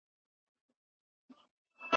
آيا خاوند د ميرمني په ژوند کي هغې ته کتلای سي؟